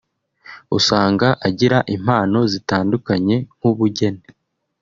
usanga agira impano zitandukanye nk’ubugeni